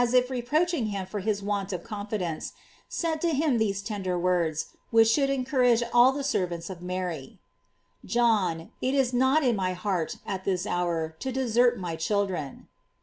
Ill if reproaching him for his want of confidence, said to him these tender words, which should encourage all the servants of Mary: " John, it is not in my heart, at this hour, to desert my children."